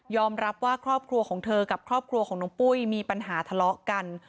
รับว่าครอบครัวของเธอกับครอบครัวของน้องปุ้ยมีปัญหาทะเลาะกัน